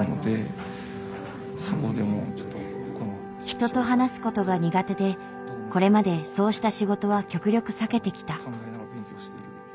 人と話すことが苦手でこれまでそうした仕事は極力避けてきた。